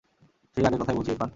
সেই রাগের কথায় বলছি, ইরফান।